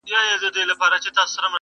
مخامخ یې کړله منډه په ځغستا سو -